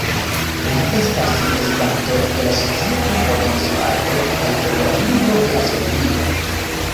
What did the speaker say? Li estas prezidanto de la Societo por Instruado kaj Popularigo de Astronomio.